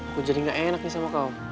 aku jadi ga enak nih sama kau